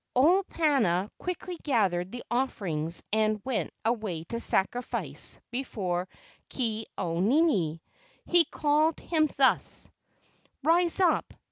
Olopana quickly gathered the offerings and went away to sacrifice before Ke au nini. He called him thus: " Rise up!